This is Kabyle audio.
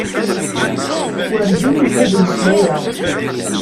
Werǧin yella-d umeslay-a.